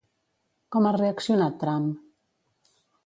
Com ha reaccionat Trump?